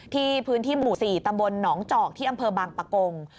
พื้นที่หมู่๔ตำบลหนองจอกที่อำเภอบางปะกง